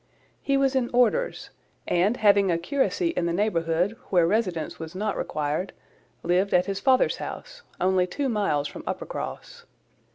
He was in orders; and having a curacy in the neighbourhood, where residence was not required, lived at his father's house, only two miles from Uppercross.